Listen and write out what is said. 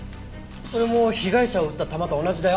それも被害者を撃った弾と同じだよ。